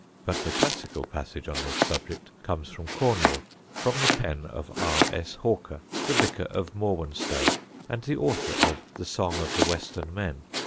But the classical passage on this subject comes from Cornwall, from the pen of R. S. Hawker, the vicar of Morwenstowe and the author of "The Song of the Western Men."